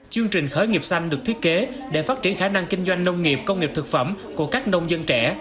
chương trình khởi nghiệp xanh được thiết kế để phát triển khả năng kinh doanh nông nghiệp công nghiệp thực phẩm của các nông dân trẻ